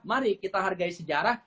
mari kita hargai sejarah